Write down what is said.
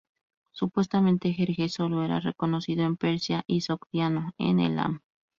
Supuestamente Jerjes sólo era reconocido en Persia y Sogdiano en Elam.